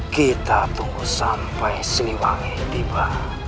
kita tunggu sampai sinimang eadiba